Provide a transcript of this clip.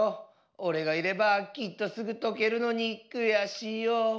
おれがいればきっとすぐとけるのにくやしいよ。